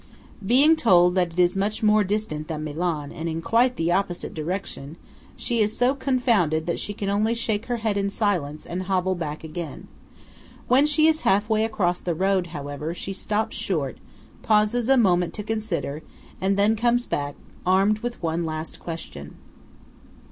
" Being told that it is much more distant than Milan and in quite the opposite direction, she is so confounded that she can only shake her head in silence, and hobble back again. When she is halfway across the road, however, she stops short, pauses a moment to consider, and then comes back, armed with one last question.